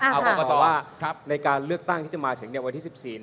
เอากรกตว่าในการเลือกตั้งที่จะมาถึงวันที่๑๔